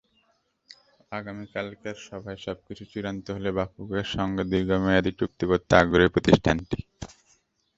আগামীকালের সভায় সবকিছু চূড়ান্ত হলে বাফুফের সঙ্গে দীর্ঘমেয়াদি চুক্তি করতে আগ্রহী প্রতিষ্ঠানটি।